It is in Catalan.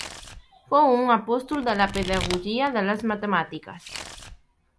Fou un apòstol de la pedagogia de les matemàtiques.